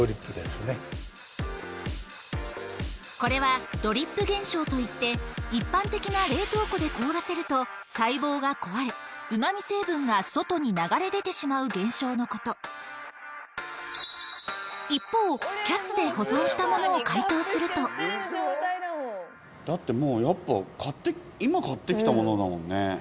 これはドリップ現象といって一般的な冷凍庫で凍らせると細胞が壊れうま味成分が外に流れ出てしまう現象の事一方ＣＡＳで保存したものを解凍するとだってもうやっぱ今買ってきたものだもんね。